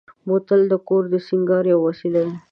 بوتل د کور د سینګار یوه وسیله ده.